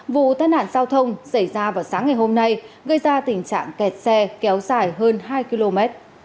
vụ tai nạn giao thông xảy ra vào sáng ngày hôm nay gây ra tình trạng kẹt xe kéo dài hơn hai km